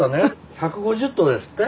１５０頭ですって？